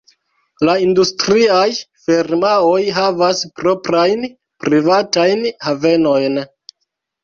La industriaj firmaoj havas proprajn privatajn havenojn.